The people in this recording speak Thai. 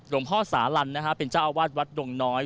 ดวงพ่อสารัญเป็นเจ้าอวัดวัดดวงน้อย